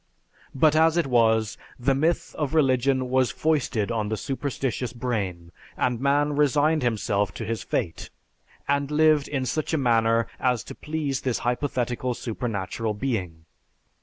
But as it was, the myth of religion was foisted on the superstitious brain, and man resigned himself to his fate, and lived in such a manner as to please this hypothetical supernatural being.